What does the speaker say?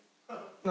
何？